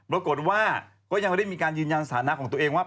ปรากฏว่าก็ยังไม่ได้มีการยืนยันสถานะของตัวเองว่า